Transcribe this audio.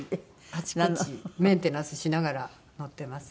あちこちメンテナンスしながら乗ってます。